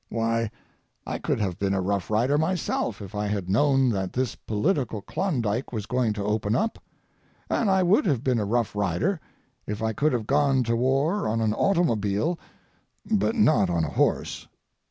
Why, I could have been a Rough Rider myself if I had known that this political Klondike was going to open up, and I would have been a Rough Rider if I could have gone to war on an automobile but not on a horse!